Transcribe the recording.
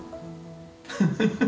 フフフッ。